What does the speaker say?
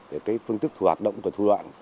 về phương thức hoạt động của thủ đoạn